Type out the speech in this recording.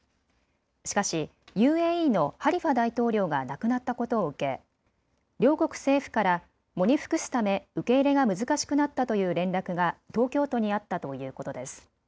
しかしＵＡＥのハリファ大統領が亡くなったことを受け両国政府から喪に服すため受け入れが難しくなったという連絡が東京都にあったということです。